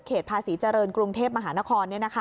ภาษีเจริญกรุงเทพมหานคร